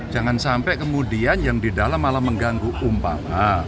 jangan sampai kemudian yang di dalam malah mengganggu umpama